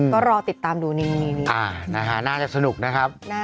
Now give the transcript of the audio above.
ก็รอติดตามดูนี่น่าจะสนุกนะครับ